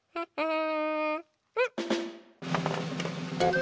ん？